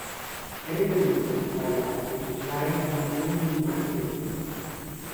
È ritenuto, fra gli altri, la reincarnazione di Maitreya.